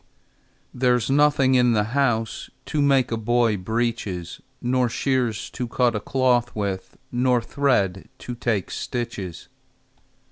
"There's nothing in the house To make a boy breeches, Nor shears to cut a cloth with Nor thread to take stitches.